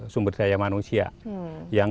sumber daya manusia yang